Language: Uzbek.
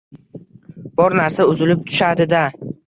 Bor narsa uzilib tushadi-da